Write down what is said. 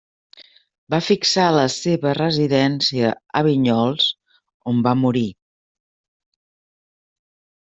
Va fixar la seva residència a Vinyols, on va morir.